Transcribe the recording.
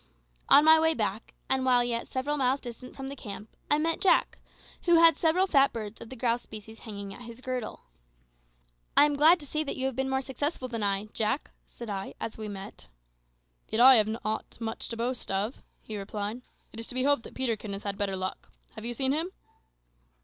On my way back, and while yet several miles distant from the camp, I met Jack, who had several fat birds of the grouse species hanging at his girdle. "I am glad to see that you have been more successful than I, Jack," said I, as we met. "Yet I have not much to boast of," he replied. "It is to be hoped that Peterkin has had better luck. Have you seen him?"